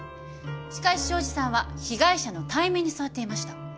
しかし庄司さんは被害者の対面に座っていました。